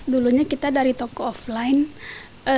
dua ribu lima belas dulunya kita dari toko offline